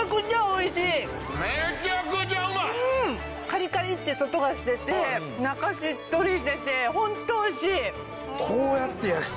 カリカリッて外がしてて中しっとりしててホント美味しい！